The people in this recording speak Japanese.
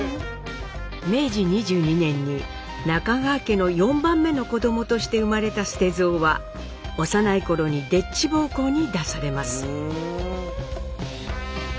明治二十二年に中川家の４番目の子どもとして生まれた捨蔵は幼い頃にでっち奉公に出されます。